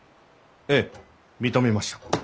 ええ認めました。